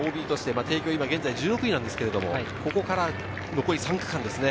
ＯＢとして帝京１６位なんですけど、ここから残り３区間ですね。